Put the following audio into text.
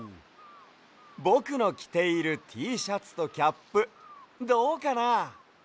ぼくのきているＴシャツとキャップどうかな？